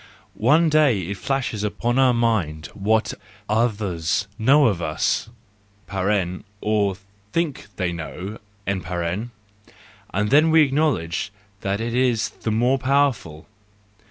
One day it flashes upon our mind what others know of us (or think they know)—and then we acknowledge that it is the more powerful.